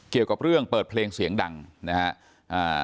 เกี่ยวกับเรื่องเปิดเพลงเสียงดังนะฮะ